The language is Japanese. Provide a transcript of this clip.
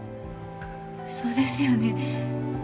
そうですよね。